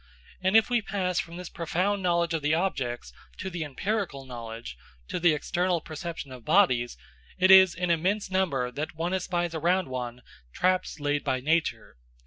And if we pass from this profound knowledge of the objects to the empirical knowledge, to the external perception of bodies, it is in immense number that one espies around one traps laid by nature.